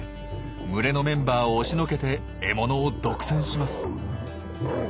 群れのメンバーを押しのけて獲物を独占します。